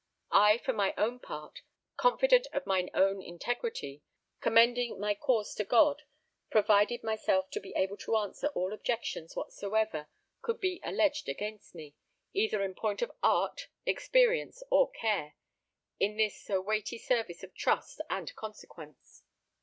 I, for my own part, confident of mine own integrity, commending my cause to God, provided myself to be able to answer all objections whatsoever could be alleged against me, either in point of art, experience, or care, in this so weighty service of trust and consequence.